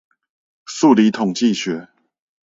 數理統計學